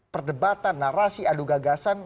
perdebatan narasi adu gagasan